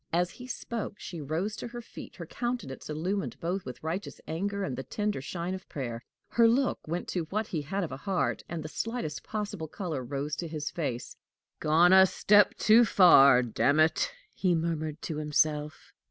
As he spoke, she rose to her feet, her countenance illumined both with righteous anger and the tender shine of prayer. Her look went to what he had of a heart, and the slightest possible color rose to his face. "Gone a step too far, damn it!" he murmured to himself.